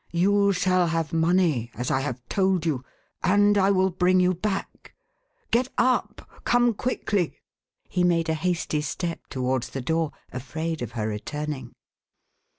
You shall have money, as I have told you, and I will bring you back. Get up ! Come quickly !" He made a hasty step towards the door, afraid of her returning.